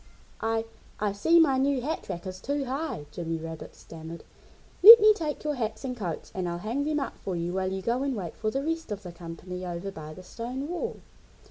"I I see my new hat rack is too high," Jimmy Rabbit stammered. "Let me take your hats and coats and I'll hang them up for you while you go and wait for the rest of the company over by the stone wall!"